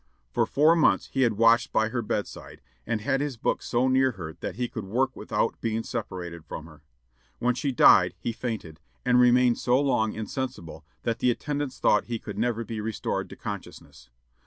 For four months he had watched by her bedside, or had his books so near her that he could work without being separated from her. When she died he fainted, and remained so long insensible that the attendants thought he could never be restored to consciousness.